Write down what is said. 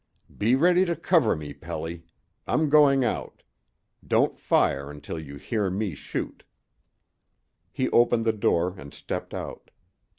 "Be ready to cover me, Pelly. I'm going out. Don't fire until you hear me shoot." He opened the door and stepped out.